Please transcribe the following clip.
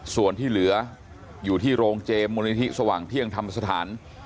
ส่วนที่เหลืออยู่ที่โรงเจมสมูลนิธิสว่างเที่ยงธรรมสถาน